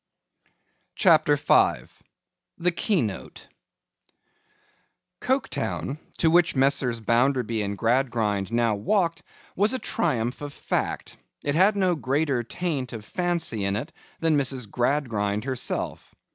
CHAPTER V THE KEYNOTE COKETOWN, to which Messrs. Bounderby and Gradgrind now walked, was a triumph of fact; it had no greater taint of fancy in it than Mrs. Gradgrind herself.